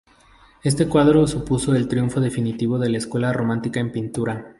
Este cuadro supuso el triunfo definitivo de la escuela romántica en pintura.